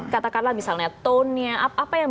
katakanlah misalnya tone nya apa yang